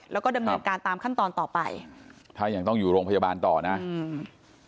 แล้วก็ดำเนินการตามขั้นตอนต่อไปถ้ายังต้องอยู่โรงพยาบาลต่อนะอืม